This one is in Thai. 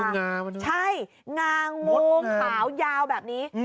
คุณงามันดูนะมดแนมใช่งางมุมขาวยาวแบบนี้